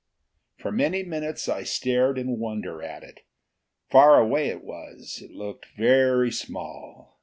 For many minutes I stared in wonder at it. Far away it was; it looked very small.